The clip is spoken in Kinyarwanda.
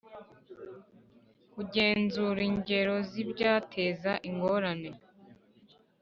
kugenzura ingero z ibyateza ingorane.